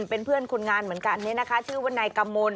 เป็นเพื่อนคุณงานเหมือนกันนี้นะคะชื่อว่านายกะโมน